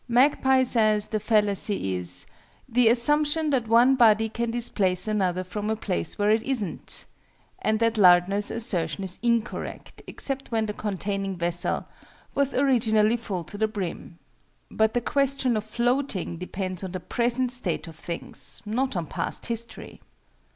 MAGPIE says the fallacy is "the assumption that one body can displace another from a place where it isn't," and that Lardner's assertion is incorrect, except when the containing vessel "was originally full to the brim." But the question of floating depends on the present state of things, not on past history.